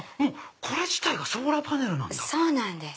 これ自体がソーラーパネルなんだ。